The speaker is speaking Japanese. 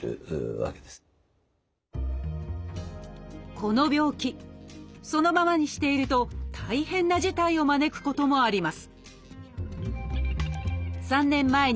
この病気そのままにしていると大変な事態を招くこともあります。